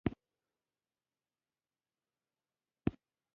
د لاسي صنایعو مختلف ډولونه په افغانستان کې دود دي.